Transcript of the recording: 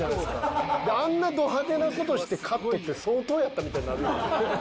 であんなど派手な事してカットって相当やったみたいになるよね。